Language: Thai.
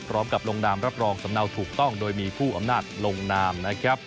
ลงนามรับรองสำเนาถูกต้องโดยมีผู้อำนาจลงนามนะครับ